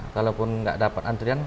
kalaupun nggak dapat antrian